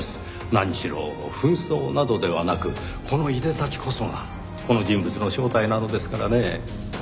何しろ扮装などではなくこのいでたちこそがこの人物の正体なのですからねぇ。